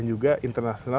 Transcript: dan juga internasional